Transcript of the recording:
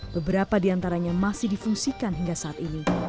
beberapa diantaranya masih difungsikan hingga saat ini